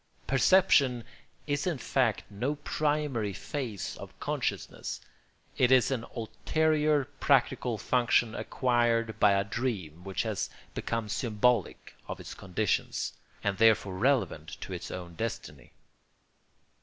Perception is in fact no primary phase of consciousness; it is an ulterior practical function acquired by a dream which has become symbolic of its conditions, and therefore relevant to its own destiny.